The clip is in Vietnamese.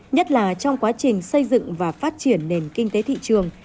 nhất là trong quá trình xây dựng và phát triển nền kinh tế thị trường